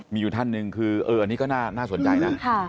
มีอยู่ท่านหนึ่งคืออันนี้ก็น่าสนใจนะ